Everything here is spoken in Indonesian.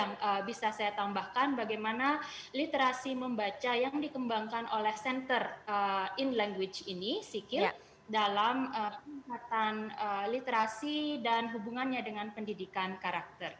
yang bisa saya tambahkan bagaimana literasi membaca yang dikembangkan oleh center in language ini sikil dalam tingkatan literasi dan hubungannya dengan pendidikan karakter